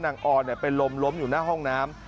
นางออนเนี่ยไปลมอยู่หน้าห้องน้ำ